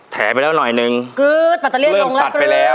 แถไปแล้วหน่อยหนึ่งปัตตะเลี่ยงลงแล้วเริ่มตัดไปแล้ว